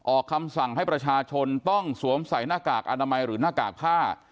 คำสั่งให้ประชาชนต้องสวมใส่หน้ากากอนามัยหรือหน้ากากผ้า